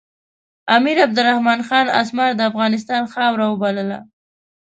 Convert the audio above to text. امیر عبدالرحمن خان اسمار د افغانستان خاوره بلله.